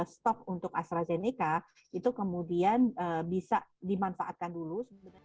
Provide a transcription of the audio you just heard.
stok untuk astrazeneca itu kemudian bisa dimanfaatkan dulu